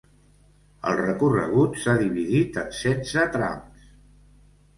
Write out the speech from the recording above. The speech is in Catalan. El recorregut s’ha dividit en setze trams.